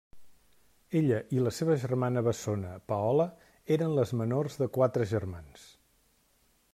Ella i la seva germana bessona Paola eren les menors de quatre germans.